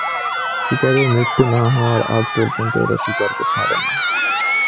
শিকারের মৃত্যু না হওয়ার আগ পর্যন্ত, এরা শিকার কে ছাড়ে না।